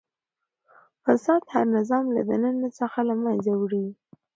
فساد هر نظام له دننه څخه له منځه وړي.